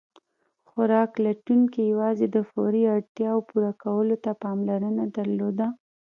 خوراک لټونکي یواځې د فوري اړتیاوو پوره کولو ته پاملرنه درلوده.